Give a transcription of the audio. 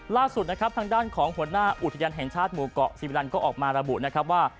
ล่าสุดนะครับทางด้านของหัวหน้าอุทยานแห่งชาติหมู่เกาะซีมิลันก็ออกมาระบุนะครับว่า